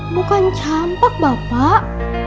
bukan campak bapak